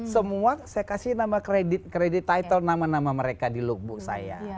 semua saya kasih nama kredit title nama nama mereka di lookbook saya